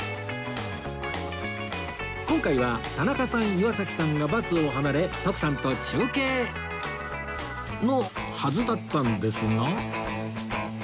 今回は田中さん岩崎さんがバスを離れ徳さんと中継のはずだったんですが